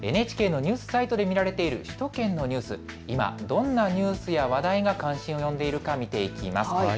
ＮＨＫのニュースサイトで見られている首都圏のニュース、今どんなニュースや話題が関心を呼んでいるか見ていきます。